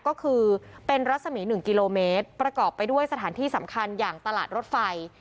ก็คือเป็นรัศมี๑กิโลเมตรประกอบไปด้วยสถานที่สำคัญอย่างตลาดรถไฟ